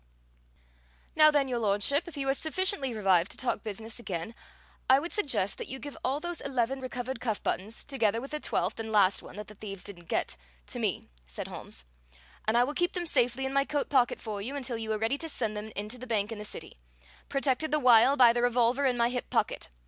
"Now then, Your Lordship, if you are sufficiently revived to talk business again, I would suggest that you give all those eleven recovered cuff buttons, together with the twelfth and last one that the thieves didn't get, to me," said Holmes, "and I will keep them safely in my coat pocket for you until you are ready to send them in to the bank in the city, protected the while by the revolver in my hip pocket.